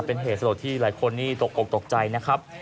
เป็นเหตุสลดที่หลายคนนี่ตกอกตกใจนะครับ